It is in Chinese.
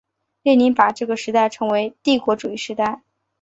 列宁把这个时代称为帝国主义时代。